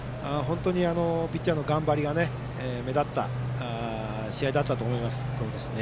ピッチャーの頑張りが目立った試合だったと思います。